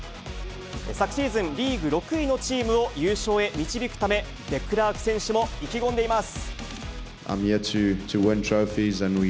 昨シーズン、リーグ６位のチームを優勝へ導くため、デクラーク選手も意気込んでいます。